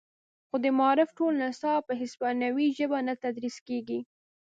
خو د معارف ټول نصاب په هسپانوي ژبه نه تدریس کیږي